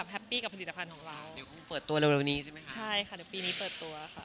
ใช่ค่ะเดี๋ยวปีนี้เปิดตัวค่ะ